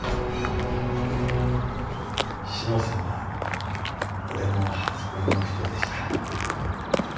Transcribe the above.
志乃さんは俺の初恋の人でした。